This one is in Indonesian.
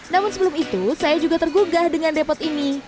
namun sebelum itu saya juga tergugah dengan depot ini